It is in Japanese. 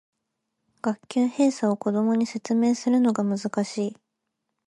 学級閉鎖を子供に説明するのが難しい